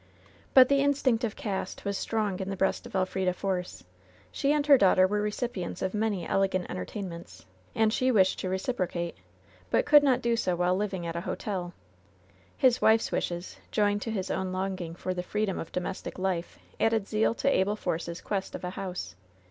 But the instinct of caste was strong in the breast of Elfrida Force. She and her daughter were recipients of many elegant entertainments, and she wished to re ciprocate, but could not do so while living at a hotel. His wife's wishes, joined to his own longing for the freedom of domestic life, added zeal to Abel Force's quest of a house.